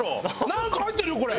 なんか入ってるよこれ！